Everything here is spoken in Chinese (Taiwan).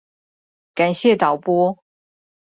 感謝導播